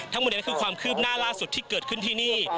ทั้งหมดนี้คือความคืบหน้าล่าสุดที่เกิดขึ้นที่นี่